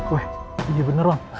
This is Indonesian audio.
weh ini bener bang